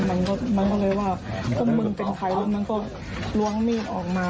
มันก็ก็เลยว่าทุกคนมึงเป็นใครด้วยมันก็ล้วงนี่ออกมา